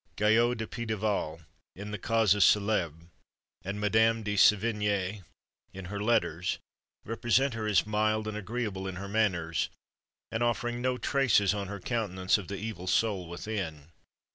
Guyot de Pitaval, in the Causes Célèbres, and Madame de Sevigné, in her letters, represent her as mild and agreeable in her manners, and offering no traces on her countenance of the evil soul within.